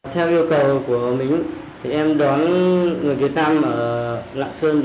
theo yêu cầu của mình thì em đón người việt nam ở lạng sơn